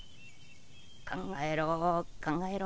考えろ考えろ。